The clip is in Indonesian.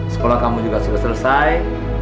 sekolah kamu juga sudah selesai